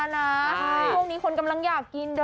ช่วงนี้คนกำลังอยากกิน